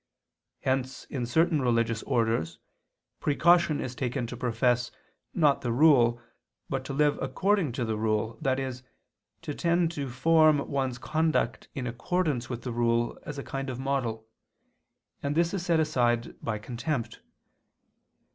Hence in certain religious orders precaution is taken to profess, not the rule, but to live according to the rule, i.e. to tend to form one's conduct in accordance with the rule as a kind of model; and this is set aside by contempt.